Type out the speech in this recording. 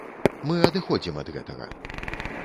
Мы адыходзім ад гэтага.